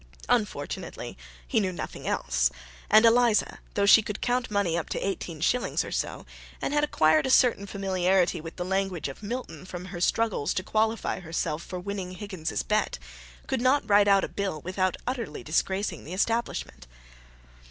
Unfortunately he knew nothing else; and Eliza, though she could count money up to eighteen shillings or so, and had acquired a certain familiarity with the language of Milton from her struggles to qualify herself for winning Higgins's bet, could not write out a bill without utterly disgracing the establishment.